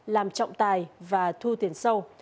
làm trọng tài và thu tiền sâu